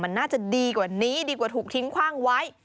มันน่าจะดีกว่านี้ดีกว่าถูกทิ้งคว่างไว้